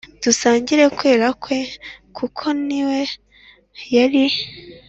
dusangire kwera kwe kuko new yara.